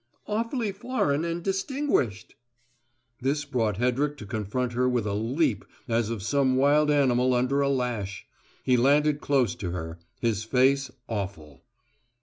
"Awfully foreign and distinguished!" This brought Hedrick to confront her with a leap as of some wild animal under a lash. He landed close to her; his face awful.